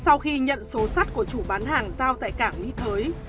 sau khi nhận số sắt của chủ bán hàng giao tại cảng mỹ thới